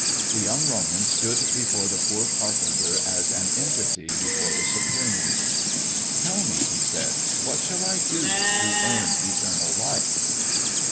The young Roman stood before the poor carpenter as an entity before the Supreme. "Tell me," he said, "what shall I do to earn eternal life?"